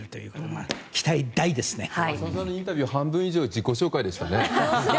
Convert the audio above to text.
インタビューは半分以上自己紹介でしたね。